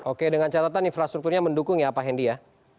oke dengan catatan infrastrukturnya mendukung ya pak hendy ya